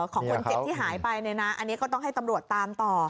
ของคนเจ็บที่หายไปเนี่ยนะอันนี้ก็ต้องให้ตำรวจตามต่อ